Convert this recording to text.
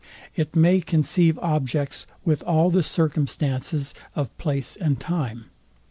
It may conceive objects with all the circumstances of place and time.